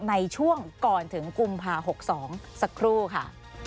ในช่วงก่อนถึงกุมภา๖๒สักครู่ค่ะ